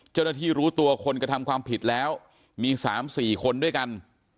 เจ้าหน้าที่รู้ตัวคนกระทำความผิดแล้วมี๓๔คนด้วยกัน